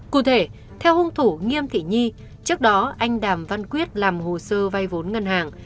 cụ thể theo hung thủ nghiêm thị nhi trước đó anh đàm văn quyết làm hồ sơ vay vốn ngân hàng